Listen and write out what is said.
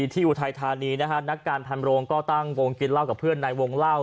ที่อุทัยทานีนักการพานโรงตั้งวงกินล่าวกับเพื่อนในวงล่าว